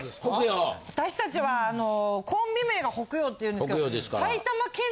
私たちはコンビ名が北陽っていうんですけど。